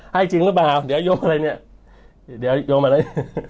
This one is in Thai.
ให้จริงหรือเปล่าเดี๋ยวโยงอะไรเนี่ยเดี๋ยวโยงอะไร